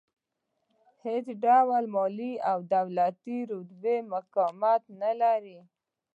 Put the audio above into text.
هېڅ ډول مال، دولت او رتبه مقاومت نه لري.